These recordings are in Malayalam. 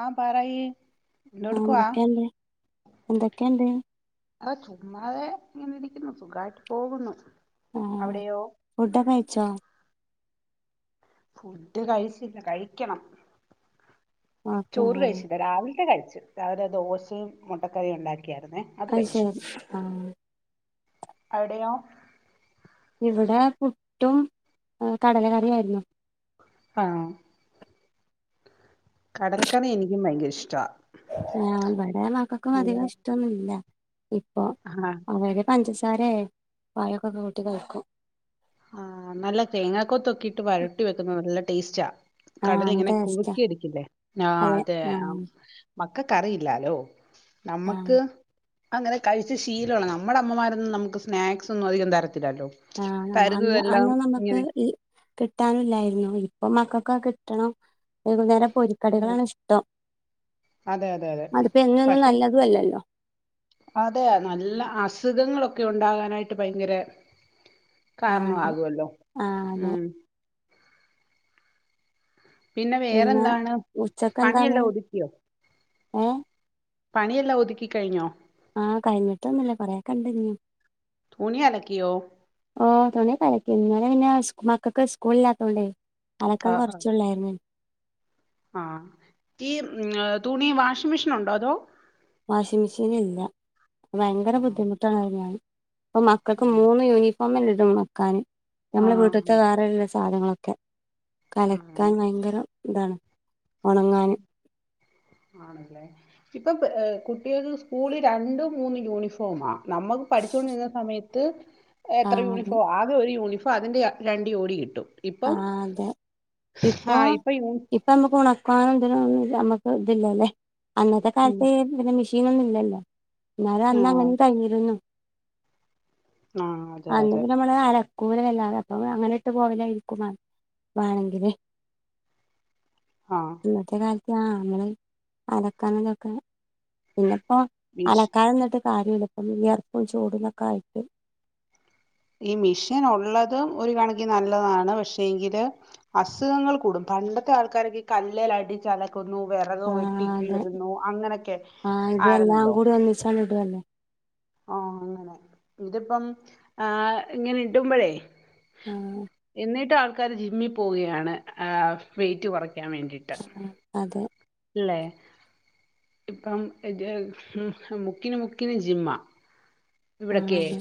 ആഹ് പറയി ആഹ് എന്തൊക്കെയണ്ട് എന്തൊക്കെയണ്ട്? ആ ചുമ്മാതെ ഇങ്ങനെ ഇരിക്കുന്നു സുഖായിട്ട് പോകുന്നു അവിടെയോ? ഫുഡക്കെ കഴിച്ചോ? ഫുഡ് കഴിച്ചില്ല കഴിക്കണം. ഓക്കെ ചോറ് ആഹ് കഴിച്ചില്ലാ രാവിലത്തെ കഴിച്ചു രാവിലെ ദോശയും മുട്ടക്കറിയും ഉണ്ടാക്കിയാരുന്നേ അത് ശരി ആഹ് അവിടെയോ ഇവിടെ പുട്ടും കടല കറിയായിരുന്നു ആഹ് കടലക്കറി എനിക്കും ഭയങ്കര ഇഷ്ട്ടാ ആ ഇവിടെ മക്കൾക്കും അധികം ഇഷ്ടൊന്നുല്ല ഇപ്പൊ ആഹ് അവരക്കെ പഞ്ചസാരയെ അയക്കെ കൂട്ടി കഴിക്കും. ആഹ് നല്ല തേങ്ങകൊത്തൊക്കെയിട്ട് വരട്ടി വെക്കുന്നത് നല്ല ടേസ്റ്റാ ആഹ് നല്ല കടലിങ്ങനെ ടേസ്റ്റാ കുറുക്കിരിക്കില്ലേ ആ അതെ ആ മക്കക്കറിയില്ലാലോ ആഹ് നമ്മക്ക് അങ്ങനെ കഴിച്ച് ശീലമാണ് നമ്മുടെ അമ്മമാരൊന്നും നമുക്ക് സ്നാക്സ് ഒന്നും അധികം തരത്തില്ലല്ലോ ആഹ് നമ്മ കരുതും അന്ന് എല്ലാം അന്ന് നമ്മക്ക് ഇങ്ങനെ ഈ കിട്ടാനില്ലായിരുന്നു ഇപ്പൊ മക്കക്കക്കെ കിട്ടണം. വൈകുന്നേരം പൊരിക്കടികളാണ് ഇഷ്ടം. അതെ അതെ അതെ അതിപ്പ എന്നൊന്നും പക്ഷെ നല്ലതും അല്ലല്ലോ. അതെ നല്ല അസുഖങ്ങളൊക്കെ ഉണ്ടാകാനായിട്ട് ഭയങ്കര ആഹ് കാരണം അതെ ആകുമല്ലോ ആഹ് അതെ ഉം പിന്നെ ഉച്ചക്ക് എന്താണ് പണിയെല്ലാം ഒതുക്കിയോ ഏ പണിയെല്ലാം ഒതുക്കി കഴിഞ്ഞോ? ആഹ് കഴിഞ്ഞിട്ടൊന്നു ഇല്ല കുറെയൊക്കെ ഇണ്ട് ഇനിയും തുണി അലക്കിയോ? ഓ തുണിയൊക്കെ അലക്കി ഇന്നലെ പിന്നെ മക്കൾക്ക് സ്കൂൾ ഇല്ലാത്തോണ്ടേ അലക്കാൻ കുറച്ചേ ഉള്ളായിരുന്നു. ആ ഈ തുണി വാഷിംഗ് മെഷീൻ ഉണ്ടോ അതോ വാഷിംഗ് മെഷീൻ ഇല്ല ഭയങ്കര ബുദ്ധിമുട്ടാണ് ഇപ്പൊ മക്കൾക്ക് ആഹ് മൂന്ന് യൂണി [unintelligible] ഇതും വെക്കാൻ നമ്മുടെ വീട്ടിലത്തെ വേറെള്ള സാധനങ്ങളൊക്കെ ഒക്കെ ആഹ് അലക്കാൻ ഭയങ്കര ഇതാണ് ഉണങ്ങാനും ആണല്ലേ ഇപ്പൊ പ് കുട്ടികൾ സ്കൂളി രണ്ടു മൂന്ന് യൂണിഫോമാ നമ്മുക്ക് പഠിച്ചോണ്ടിരുന്ന സമയത്ത് ആ എത്ര അതെ യൂണിഫോം ആ അകെ ഒരു യൂണിഫോം അതിന്റെ ര രണ്ട് ജോഡി കിട്ടും ആ ഇപ്പം അതെ ആ ഇപ്പൊ യൂ ഇപ്പം നമുക്ക് ഉണക്കാൻ തിനൊന്നും ഇല്ല നമക്ക് ഇതില്ലല്ലേ അന്നത്തെ ഉം കാലത്ത് ഇങ്ങനെ മെഷീൻ ഒന്നും ഇല്ലല്ലോ എന്നാലും അന്ന് ആഹ് അങ്ങനെ കഴിഞ്ഞിരുന്നു. ആഹ് അതെ അതെ അന്നിട്ട് നമ്മള് അലക്കൂലെ അല്ലാതെ അപ്പൊ അങ്ങനെ ഇട്ട് പോവലായി [unintelligible] വാണെങ്കിൽ ആഹ് ഇന്നത്തെ കാലത്ത് ആഹ് അങ്ങനെ അലക്കാനുംതാക്കാനും പിന്നെ ഇപ്പോ വിഷ് അലക്കാതെ നിന്നിട്ട് കാര്യല്ല ഇപ്പ വിയർപ്പും ചൂടും ഇതൊക്കെ ആയിട്ട് ഈ മിഷീൻ ഉള്ളതും ഒരു കണകിന് നല്ലതാണ് പക്ഷേ എങ്കില് അസുഖങ്ങൾ കൂടും പണ്ടത്തെ ആൾക്കാരോക്കെ ഈ കല്ലെൽ അടിച്ച് അല ക്കുന്നു വിറക് ആ അതെ വെട്ടിക്കീറുന്നു അങ്ങനെയൊക്കെ ആ ഇത് എല്ലാം ആയിരുന്നല്ലോ [unintelligible] ആഹ് അങ്ങനെ ഇതിപ്പം ആഹ് ഇങ്ങനെ ഇടുമ്പൊഴെ ആഹ് എന്നിട്ടും ആൾക്കാര് ജിമ്മിൽ പോവുകയാണ് ആഹ് വെയിറ്റ് കുറക്കാൻ വേണ്ടിയിട്ട് അതെ അല്ലേ ഇപ്പം [unintelligible] മുക്കിന് മുക്കിന് ജിമ്മ ആ ഇവിടൊക്കെ അതെ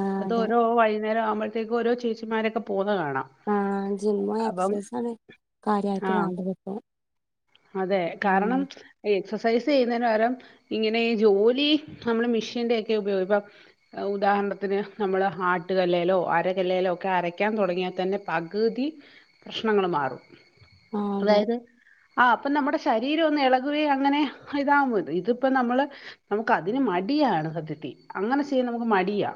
ആ അത് അതെ ഓരോ വൈകുന്നേരം ആവുമ്പോഴത്തേക്കും ഓരോ ചേച്ചിമാരോക്കെ പോകുന്ന കാണാം ആഹ് ജിമ്മ് അപ്പം എക്സൈസാണ് കാര്യായിട്ട് ആഹ് വേണ്ടത് പ്പോ അതെ കാരണം എക്സസൈസ് ചെയ്യുന്നന് പകരം ഇങ്ങനെ ഈ ജോലി നമ്മള് മിഷ്യന്റെക്കെ ഉപയോഗം പ്പോ ഉദാഹരണത്തിന് നമ്മൾ ആട്ടുകല്ലെലോ അരകല്ലെലോ ഒക്കെ അരക്കയാൻ തുടങ്ങിയാ തന്നെ പകുതി പ്രശ്നങ്ങൾ മാറും ആ അതെ അതായത് ആഹ് അപ്പോ നമ്മുടെ ശരീരം ഒന്ന് ഇളകുകെ അങ്ങനെ ഇതാവും അത് ഇതിപ്പോ നമ്മള് നമുക്ക് അതിന് മടിയാണ് സത്യത്തി അങ്ങനെ ചെയ്യന്നെ നമക്ക് മടിയാ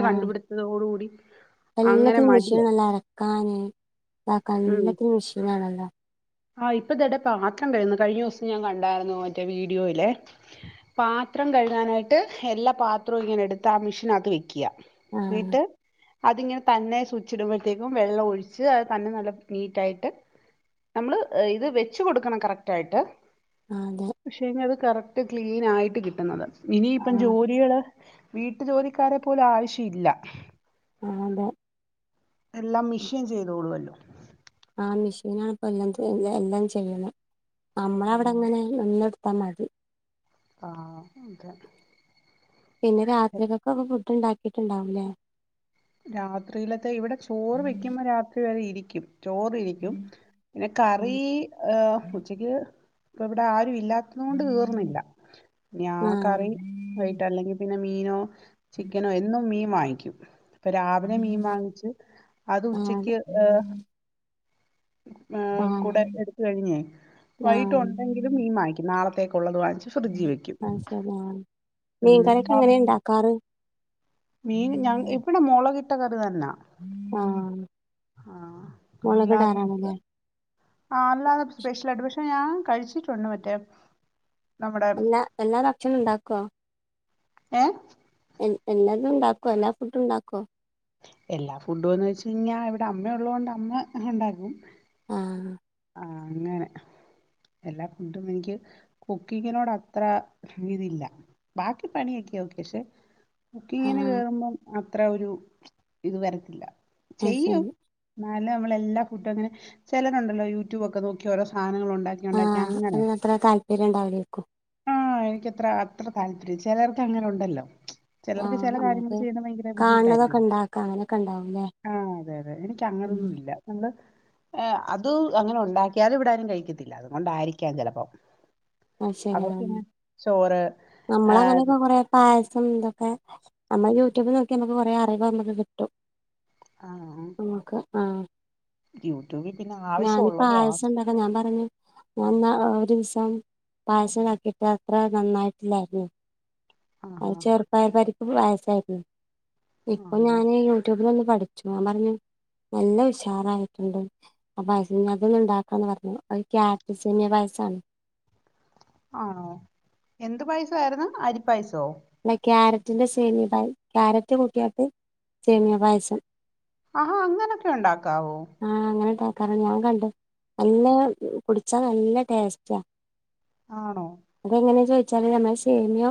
ആ കണ്ടുപിടുത്തതോട് കൂടി അങ്ങനെ എല്ലാത്തിനും മടിയ പ്പ ക്കെ എല്ലത്തിനും മിഷീനാണല്ലോ ആഹ് ഇപ്പ ഇതാടെ പാത്രം കൈകുന്നു കഴിഞ്ഞ ദിവസം ഞാൻ കണ്ടായിരുന്നു മറ്റേ വീഡിയോയിലെ പാത്രം കഴുകാനായിട്ട് എല്ലാ പാത്രവും ഇങ്ങനെ എടുത്ത് ആഹ് മിഷനത്ത് വെക്ക്യ ആ ന്നിട്ട് അതിങ്ങനെ തന്നെ സൂച്ചിടുമ്പോഴത്തേക്കും വെള്ളം ഒഴിച്ച് അത് തന്നെ നല്ല നീറ്റായിട്ട് നമ്മള് ഇത് വെച്ച് കോടുക്കണം കറക്റ്റ് ആയിട്ട് ആഹ് തെ പക്ഷെ അത് കറക്ട് ക്ലീൻ ആയിട്ട് കിട്ടുന്നത് ഇനി ആ ഇപ്പം ജോലികള് വീട്ടു ജോലിക്കാരെ പോലും ആവശ്യ ഇല്ല ആഹ് അതെ എല്ലാം മിഷിൻ ചെയ്തോളുല്ലോ ആഹ് മിഷീനാണ്പ്പോ എല്ലാം എല്ലാം ചെയ്യുന്നെ ആഹ് നമ്മളവിടെങ്ങനെ നിന്ന് കൊടുത്തമതി ആഹ് അതെ പിന്നെ രാത്രികെക്കോക്കെ ഫുഡ് ഇണ്ടാക്കിട്ടുണ്ടാവൂല്ലേ രാത്രിയിലത്തെ ഇവിടെ ചോറ് വെക്കുമ്പോ രാത്രി വരെ ഇരിക്കും ചോറിരിക്കും പിന്നെ കറി ആഹ് ങ് ഉച്ചക്ക് ഇപ്പ ഇവിടെ ആരു ഇല്ലാ ത്തോണ്ട് തീർന്നില്ല ഇനി ആഹ് കറി വയ്ട്ട് അല്ലെങ്കിൽ പിന്നെ മീനോ ചിക്കനോ എന്നും മീൻ വാങ്ങിക്കും പ്പോ രാവിലെ മീൻ വാങ്ങിച്ച് അത് ആഹ് ഉച്ചക്ക് ങ് ങ് കൂടെ ആഹ് എടുത്ത് കഴിഞ്ഞേ വൈകിട്ട് ആഹ് ഉണ്ടെങ്കിലും മീൻ വാങ്ങിക്കും നാളത്തേക്കുള്ളത് വാങ്ങിച്ചു ഫ്രഡ്ജി വെക്കിം അത് ശരി ആഹ് മീൻ കറി ഒക്കെ എങ്ങനെ ഇണ്ടാക്കാറ് മീൻ ഞാ ഇവിടെ മുളകിട്ട കറി തന്നാ ആഹ് ആഹ് അല്ലാതെ മുളകിടാറാണല്ലേ [unintelligible] ആഹ് അല്ലാതെ സ്പെഷ്യലായിട്ട് പക്ഷെ ഞാൻ കഴിച്ചിട്ടുണ്ട് മറ്റെ എല്ലാ എല്ലാ ഭക്ഷണം ഉണ്ടാക്കുവോ ഏഹ് എ എല്ലാതും ഇണ്ടാക്കോ എല്ലാ ഫുഡും ഇണ്ടാക്കോ? എല്ലാ ഫുഡുംന്ന് വെച്ച് കഴിഞ്ഞാൽ ഇവിടെ അമ്മ ഉള്ളതത് കൊണ്ട് അമ്മ ഉണ്ടകും ആഹ് ആഹ് അങ്ങനെ എല്ലാ ഫുഡും എനിക്ക് കുക്കിങ്ങിനോട് അത്ര ഇതില്ല ബാക്കി പണിയൊക്കെയാവക്കെ പക്ഷെ കുക്കിങ്ങിന് ആഹ് കേറുമ്പം അത്ര ഒരു ഇത് വരത്തില്ല അത് ചെയ്യും ശരി എന്നാല നമ്മള എല്ലാ ഫുഡും അങ്ങനെ ചിലരുണ്ടല്ലോ യൂട്യൂബ് ഒക്കെ നോക്കി ഓര സധനങ്ങളുണ്ടാ ണ്ടാക്കി ആഹ് അങ്ങനെ അതിന് അത്ര താല്പര്യം ഉണ്ടാവില്ലേക്കും ആഹ് എനിക്ക്ത്ര അത്ര താല്പര്യം ല്ല ചെലർക്ക് അങ്ങനെ ഇണ്ടല്ലോ ചെലർക്ക് ആഹ് ചില കാര്യങ്ങൾ നമ്മുക്ക് ചെയ്യുന്ന ഭയങ്കര കാണുന്നതൊക്കെ ബുദ്ധിമുട്ടായിരിക്കും ഉണ്ടാക്കാം അങ്ങനെയൊക്കെ ഉണ്ടാവുംല്ലേ ആഹ് ആന് അതെതെ എനിക്ക് ഉം അങ്ങനൊന്നുല്ല നമ്മൾ ങ് അത് അങ്ങനെ ഉണ്ടാക്കിയാലും ഇവിടാരും കഴിക്കത്തില്ല അതുകൊണ്ടായിരിക്കാം ചെലപ്പം അത്ശരി ആഹ് ചോറ് ആഹ് അത് നമ്മളങ്ങനെക്കെ കൊറെ പായസം ഇതൊക്കെ നമ്മൾ യൂട്യൂബിൽ നോക്കി നമുക്ക് കുറെ അറിവ് നമ്മക്ക് കിട്ടും ആഹ് നമക്ക് ആഹ് യൂട്യൂബിൽ പിന്നെ ആവശ്യമുള്ളതോ ആ ഞാനിപ്പായസം ഉണ്ടാക്കെ ഞാൻ പറഞ്ഞു എന്ന ഒരു ദിവസം പായസ ആക്കിയിട്ട് അത്ര നന്നായിട്ടില്ലായിരുന്നു അ ആഹാ ചെറുപ്പായപരിപ്പ് പായസ്സായി ആയിരുന്നു ഇപ്പൊ ആണോ ഞാന് യൂട്യൂബിൽ ഒന്ന് പഠിച്ചു ഞാൻ പറഞ്ഞു നല്ല ഉഷാറ ആയിട്ടുണ്ട് ആ പായസ അതൊന്ന ഉണ്ടാക്കന്ന് പറഞ്ഞു ഒരുക്യാരറ്റ സേമിയ പയസാണ് ആണോ എന്ത് പായസ ആയിരുന്നു അരിപ്പായസോ? അല്ല ക്യാരറ്റിന്റെ സേമിയ പായ ക്യാരറ്റ് കൂട്ടിയായിട്ട് സേമിയ പായസം ആഹാ അങ്ങനൊക്കെ ഉണ്ടാക്കാവോ? ആഹ് അങ്ങനെണ്ടാക്കറ ഞാൻ കണ്ടു നല്ല കുടിച്ചാ നല്ല ടേസ്റ്റാ ആണോ അതെങ്ങനാ ചോദിച്ചാല് നമ്മൾ സേമിയാ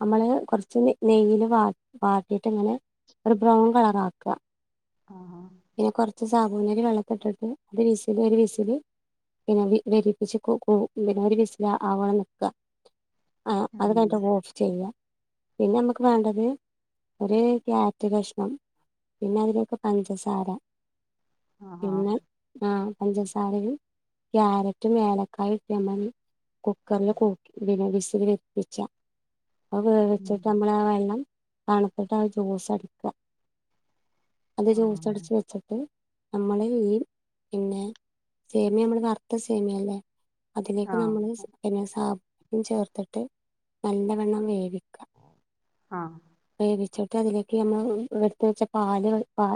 നമ്മള് കൊറച്ച് നെയ്യില് വ വാട്ടിയിട്ട് ഇങ്ങനെ ഒരു ബ്രൗൺ കളറ ആക്കുക ആഹാ പിന്നെ കുറച്ച് സാബുണരി വെള്ളത്തിട്ടിട്ട് അത് വിസില് ഒരു വിസില് പിന്നെ വരിപ്പിച്ച് പിന്നെ ഒരു വിസില ആവണം നിക്കുക ആ അത് ഉം കഴിഞ്ഞിട്ട് ഓഫ് ചെയ്യാം പിന്നെ നമുക്ക് വേണ്ടത് ഒരു ക്യാരറ്റ് കഷണം പിന്നെ അതിലൊക്കെ പഞ്ചസാര ആഹാ പിന്നെ ആഹ പഞ്ചസാരയും ക്യാരറ്റ് ഏലക്കായട്ടമതി കുക്കറില് വിസിൽ വപ്പിച്ച അത് ഉം വേവിച്ചിട്ട് നമ്മൾ ആ വെള്ളം തണുത്തിട്ട് ആ ജ്യൂസ അടിക്കുക അത് ജ്യൂസ് ആഹ് അടിച്ച് വെച്ചിട്ട് നമ്മള ഈ പിന്നെ സേമിയ നമ്മള വർത്ത സേമിയ ഇല്ലേ അതിലേക്ക് ആഹ് നമ്മള് പിന്നെ സാം ചേർത്തിട്ട് നല്ലവെണ്ണം വേവിക്കാം ആഹ് വേവിച്ചിട്ട് അതിലേക്ക് നമ്മൾ എവിടുത്ത വെച്ച പാല് പാ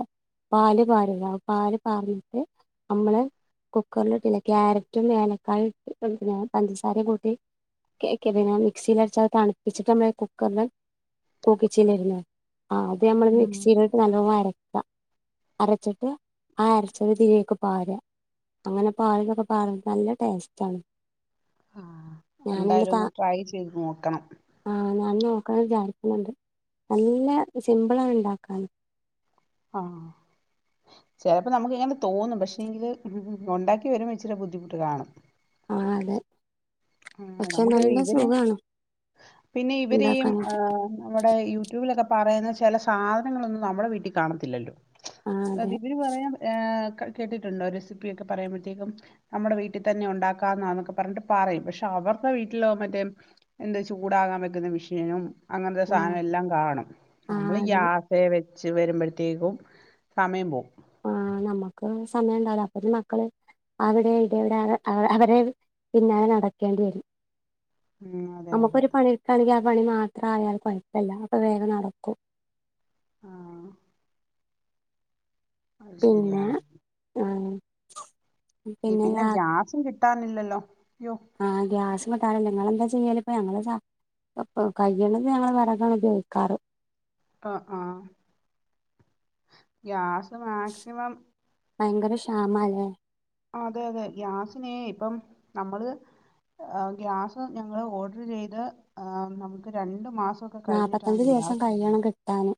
പാല് പാറുക പാല് പാറിയിട്ട് നമ്മള് കുക്കറില ഇട്ടില്ല ക്യാരറ്റും ഏലക്കായും ഇട്ട് പഞ്ചസാരയും കൂട്ടി കേക്കെ പിന്നെ മിക്സിൽ അടച്ച അത് തണുപ്പിച്ചിട്ട് നമ്മൾ കുക്കറിൽ കൂക്കിച്ചൽരുന്നു ആ അത് നമ്മള് ഉം മിക്സിയിലിട്ട് നല്ലോണം അരക്ക അരച്ചിട്ട് ആ അരച്ച തിലേക്ക് പകരുക അങ്ങനെ പകരുമ്മ പാ നല്ല ടേസ്റ്റ് ആണ് ആഹ് എന്തായാലും ഒന്ന് ട്രൈ ചെയ്ത് നോക്കണം ആഹ് ഞാൻ നോക്കാന്ന് വിചാരിക്കുന്നുണ്ട് നല്ല സിമ്പിള ആണ് ഉണ്ടാക്കാൻ ആഹ് ചിലപ്പോ നമുക്ക് ഇങ്ങനെ തോന്നും പക്ഷെങ്കില് ഉണ്ടാക്കി വരുമ്പോൾ ഇച്ചിരി ബുദ്ധിമുട്ട് കാണും ആഹ് അതെ ആഹ് പക്ഷെ മുക്ക് നല്ല ഇവരെ സുഖാണ് പിന്നെ ഇവരെയും ഉണ്ടാക്കാനായിട്ട് ആഹ് നമ്മുടെ യൂട്യൂബിലൊക്കെ പറയുന്ന ചില സാധനങ്ങളൊന്നും നമ്മുടെ വീട്ടിൽ കാണത്തില്ലല്ലോ ആ അതെ ഇർ പറയാൻ കേട്ടിട്ടുണ്ടോ റെസിപ്പിയ ഒക്കെ പറയുമ്പോഴത്തേക്കും നമ്മുടെ വീട്ടിൽ തന്നെ ഉണ്ടാക്കാന്നൊക്കെ പറഞ്ഞിട്ട് പറയും പക്ഷെ അവരുടെ വീട്ടില മറ്റേ എന്താ ചൂടാകാൻ വെക്കുന്ന മെഷീനും അങ്ങനത്തെ ആ സാധനം എല്ലാം കാണും ആ നമ്മള് അതെ ഗ്യാസേവെ വച്ച് വരുമ്പോഴത്തേക്കും സമയം പോകും ആ നമ്മുക്ക് സമയം ഉണ്ടാവില്ല അപ്പത്തി മക്കള് അവിടെ ഇടെവിടെ അവരെ പിന്നാലെ നടക്കേണ്ടി വരും ഉം അതെ അതെ നമുക്കൊരു പണി എടുക്കുകയാണെങ്കിൽ ആ പണി മാത്രം ആയാൽ കുഴപ്പമില്ല അപ്പൊ വേഗം നടക്കും ആഹ് അത് പിന്നെ ശരിയാണ് ആഹ് പിന്നെ ഗ്യാസും കിട്ടാനില്ലല്ലോ അയ്യോ ആഹ് ഗ്യാസും [unintelligible] നിങ്ങൾ എന്താ ചെയ്യല് ഇപ്പ ഞങ്ങള് ചാ അപ്പൊ കയ്യണത് ഞങ്ങള് വറകാണ് ഉപയോഗിക്കാറ്. പ്പൊ ആഹ് ഗ്യാസ് മാക്സിമം ഭയങ്കര ക്ഷാമാല്ലേ അതെ അതെ ഗ്യാസിനെ ഇപ്പം നമ്മള് ഗ്യാസ് ഞങ്ങള് ഓഡർ ചെയ്ത് നമുക്ക് രണ്ടു മാസം നാല്പ്പത്തഞ്ച് ദിവസം കഴിയണം കിട്ടാന്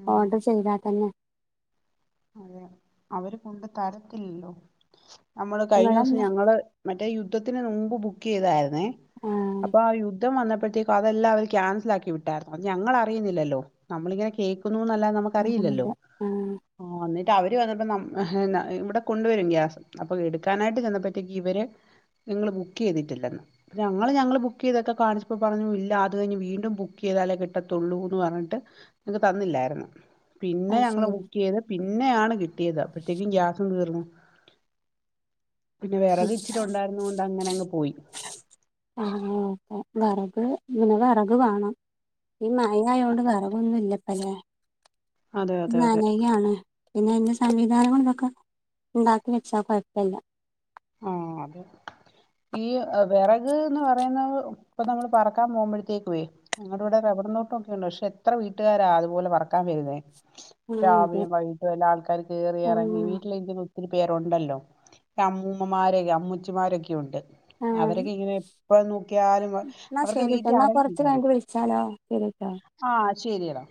ഉം ഓഡർ ചെയ്താ തന്നെ അതെ അവര് കൊണ്ട് തരത്തില്ലല്ലോ നമ്മള് കഴിഞ്ഞോസം നിങ്ങളെന്താ ഞങ്ങള് മറ്റേ യുദ്ധത്തിന് മുമ്പ് ബുക്കെയ്തായ്രുന്നേ ആഹ് അപ്പൊ ആ യുദ് യുദ്ധം വന്നപ്പഴ്ത്തേക്കും അതെല്ലാം അവര് കാൻസലാക്കി വിട്ടായ്രുന്നു അത് ഞങ്ങൾ അറിയുന്നില്ലല്ലോ നമ്മളിങ്ങനെ കേക്കുന്നുന്നല്ലാതെ നമുക്ക് അറിയില്ലല്ലോ അതെ ആഹ് ആഹ് വന്നിട്ട് അവര് വന്നപ്പോ ഇവടെ കൊണ്ടുവരും ഗ്യാസ് അപ്പൊ എട്ക്കാനായിട്ട് ചെന്നപ്പറ്റേക്ക് ഇവര് നിങ്ങള് ബുക്ക് ചെയ്തിട്ടില്ലെന്ന് ഞങ്ങള് ഞങ്ങൾ ബുക്ക് ചെയ്തക്കെ കാൺച്ചപ്പോ പറഞ്ഞു ഇല്ല അത് കഴിഞ്ഞ്‌ വീണ്ടും ബുക്കെയ്താലേ കിട്ടത്തുള്ളൂന്നർഞ്ഞിട്ട് ഞക്ക് തന്നില്ലായിര്ന്നു പിന്നെ അത് ഞങ്ങള് ശരി ബുക്ക് ചെയ്ത് പിന്നെയാണ് കിട്ടിയത്. അപ്പഴത്തേക്കും ഗ്യാസും തീർന്നു. പിന്നെ വെറക് ഇച്ചിരുണ്ടായ്രുന്നോണ്ട് അങ്ങനെ അങ്ങ് പോയി. ആഹ് വറക് ഇങ്ങനെ വറക് വാണം. ഈ മഴ ആയൊണ്ട് വറകൊന്നും ഇല്ലപ്പല്ലെ അതെ അതെ അതെ നനയാണ്. പിന്നെ അയ്ന്റെ സംവിധാനങ്ങൾ ഇതൊക്കെ ഇണ്ടാക്കി വെച്ചാ കൊയ്പ്പല്ല. ആഹ് അതെ ഈ വിറക് ന്ന് പറയുന്നത് ഇപ്പൊ നമ്മള് പറക്കാൻ പോകുമ്പഴത്തേക്കുവേ ഞങ്ങടുടെ റബ്ബറും ത്തോട്ടോക്കെ ഇണ്ട് പശേ എത്ര വീട്ടുകാരാ അതുപോലെ പറക്കാൻ വരുന്നേ ആഹ് അതെ രാവിലും വൈകിട്ടും [unintelligible] ആൾക്കാര് കേറി എറങ്ങിനി ആഹ് ട്ടിലിരിക്ക്ണ ഒത്തിരി പേരുണ്ടല്ലോ. അമ്മൂമ്മമാര്, അമ്മുച്ചിമാരൊക്കെയു ണ്ട്. ആഹ് അവരൊക്കെ ഇങ്ങനെ എപ്പ നോക്കിയാലും എന്നാ അവർക്ക് ശരിട്ടോ വീട്ടി എന്നാ അടങ്ങി കൊറച്ച് ഇരി [unintelligible] ആഹ് ശരി എടാ